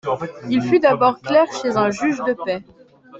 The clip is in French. Il fut d'abord clerc chez un juge de paix.